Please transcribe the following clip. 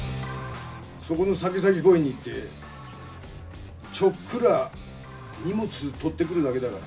そこのサギサギ公園に行ってきて、ちょっくら荷物取ってくるだけだから。